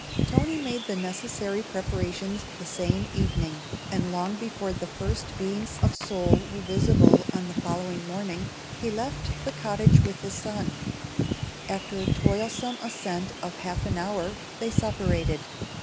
Toni made the necessary preparations the same evening, and long before the first beams of Sol were visible on the following morning, he left the cottage with his son. After a toilsome ascent of half an hour, they separated.